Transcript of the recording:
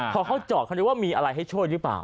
พอเขาจอดเขานึกว่ามีอะไรให้ช่วยหรือเปล่า